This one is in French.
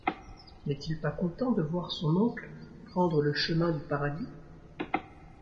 N’est-il pas content de voir son oncle prendre le chemin du paradis ?